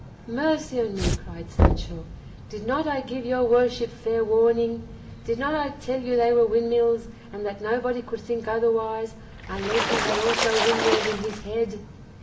"Mercy o' me!" cried Sancho, "did not I give your worship fair warning? Did not I tell you they were windmills, and that nobody could think otherwise, unless he had also windmills in his head!"